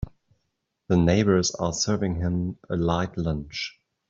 The neighbors are serving him a light lunch.